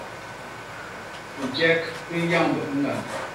Bijek bi nyamb i ñgand.